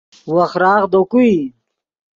وخراغ دے کو ای